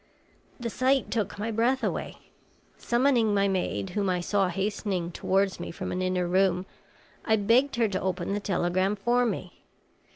The sight took my breath away. Summoning my maid, whom I saw hastening towards me from an inner room, I begged her to open the telegram for me.